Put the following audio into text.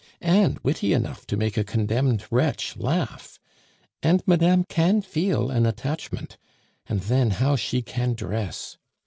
"And witty enough to make a condemned wretch laugh. And madame can feel an attachment. And then how she can dress!